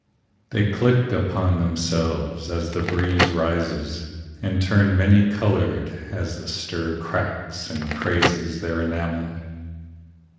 They click upon themselves As the breeze rises, and turn many colored As the stir cracks and crazes their enamel.